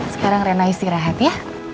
sekarang reina istirahat ya